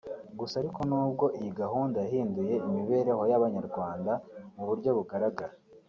Gusa ariko nubwo iyi gahunda yahinduye imibereho y’Abanyarwanda mu buryo bugaragara